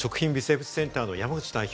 食品微生物センターの山口代